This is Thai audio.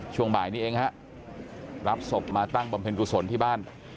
ช่วงบ่ายนี้เองฮะรับศพมาตั้งบำเพ็ญกุศลที่บ้าน